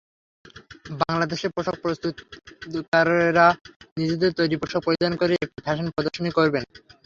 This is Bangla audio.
বাংলাদেশে পোশাক প্রস্তুতকারকেরা নিজেদের তৈরি পোশাক পরিধান করে একটি ফ্যাশন প্রদর্শনী করবেন।